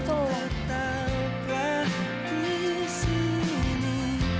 tidak taupah disini